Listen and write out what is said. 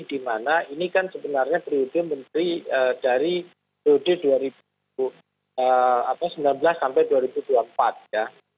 di mana ini kan sebenarnya prioritas menteri dari dua ribu sembilan belas sampai dua ribu dua puluh empat